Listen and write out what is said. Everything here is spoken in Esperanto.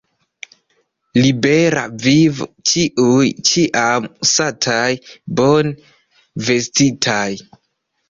Libera vivo, ĉiuj ĉiam sataj, bone vestitaj!